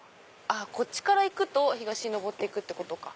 こっちから行くと東に上っていくってことか。